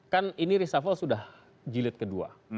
kan ini reshuffle sudah jilid kedua